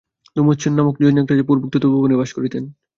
দ্যুমৎসেন নামক জনৈক রাজা পূর্বোক্ত তপোবনে বাস করিতেন।